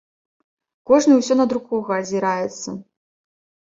Кожны ўсё на другога азіраецца.